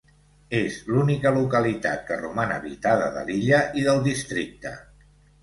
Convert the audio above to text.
És l'única localitat que roman habitada de l'illa i del districte.